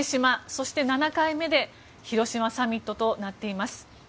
そして、７回目で広島サミットとなっています。